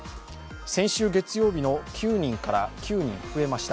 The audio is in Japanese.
先週月曜日の９人から９人増えました。